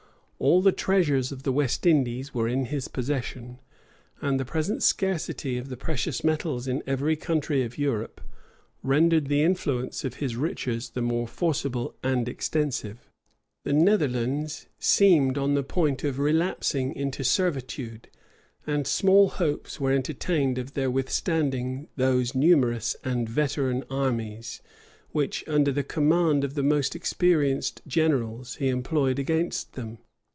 All the treasures of the West Indies were in his possession; and the present scarcity of the precious metals in every country of Europe, rendered the influence of his riches the more forcible and extensive. The Netherlands seemed on the point of relapsing into servitude; and small hopes were entertained of their withstanding those numerous and veteran armies, which, under the command of the most experienced generals, he employed against them.